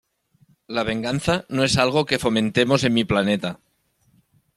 La venganza no es algo que fomentemos en mi planeta.